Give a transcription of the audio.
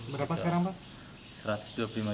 berapa sekarang pak